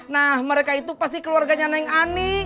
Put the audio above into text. nah mereka itu pasti keluarganya neng ani